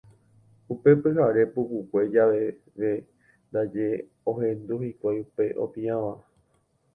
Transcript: Upe pyhare pukukue javeve ndaje ohendu hikuái upe opiãva.